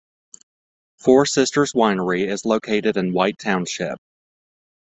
Four Sisters Winery is located in White Township.